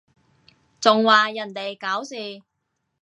仲話人哋搞事？